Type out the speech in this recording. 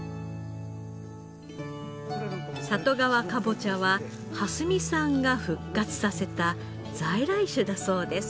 里川かぼちゃは荷見さんが復活させた在来種だそうです。